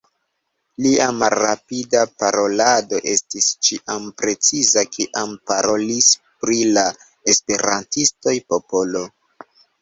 Lia malrapida parolado estis ĉiam preciza kiam parolis pri la Esperantistoj Popolo.